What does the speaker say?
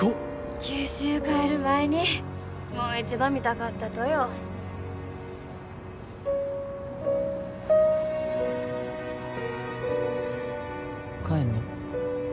九州帰る前にもう一度見たかったとよ帰んの？